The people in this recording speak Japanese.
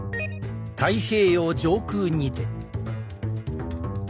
太平洋上空にて。